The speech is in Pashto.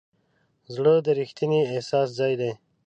زړه د ریښتیني احساس ځای دی.